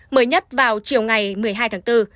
mới nhất vào chiều ngày một mươi hai tháng bốn